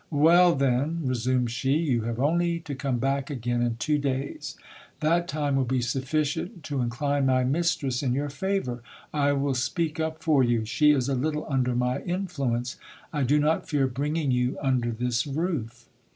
Well, then ! resumed she, you have only to come back again in two days. That time will be sufficient to incline my mistress in your favour ; I will speak up for you. She is a little under my influence ; I do not fear bringing you under this roof.